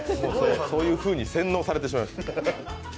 そういうふうに洗脳されてしまいました。